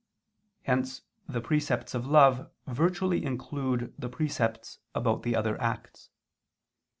Hence the precepts of love virtually include the precepts about the other acts.